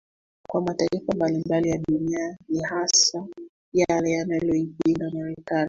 Kwa mataifa mbalimbali ya Dunia hii hasa yale yanayoipinga Marekani